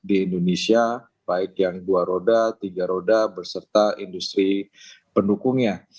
di indonesia baik yang dua roda tiga roda berserta industri pendukungnya